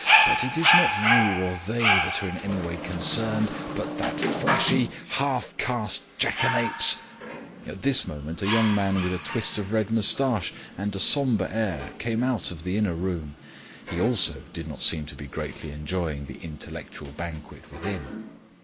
But it is not you or they that are in any way concerned, but that flashy half caste jackanapes " At this moment a young man with a twist of red moustache and a sombre air came out of the inner room. He also did not seem to be greatly enjoying the intellectual banquet within.